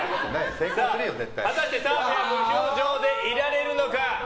果たして澤部は無表情でいられるのか。